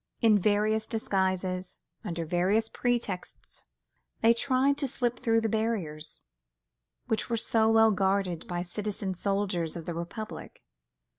In various disguises, under various pretexts, they tried to slip through the barriers which were so well guarded by citizen soldiers of the Republic.